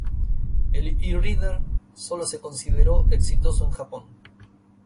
El e-Reader solo se consideró exitoso en Japón.